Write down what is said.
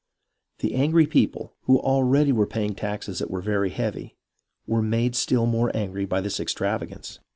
The angry people, who already were paying taxes that were very heavy, were made still more angry by this extravagance.